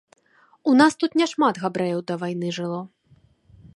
У нас тут няшмат габрэяў да вайны жыло.